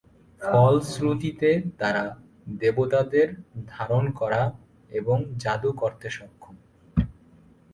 ফলশ্রুতিতে তারা দেবতাদের ধারণ করা এবং জাদু করতে সক্ষম।